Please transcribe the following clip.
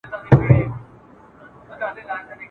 زما چي ژوند په یاد دی د شېبو غوندي تیریږي !.